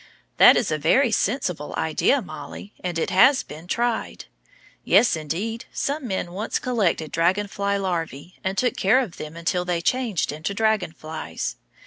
That is a very sensible idea, Mollie, and it has been tried. Yes, indeed; some men once collected dragon fly larvæ, and took care of them until they changed into dragon flies.